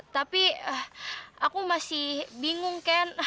tapi aku masih bingung kan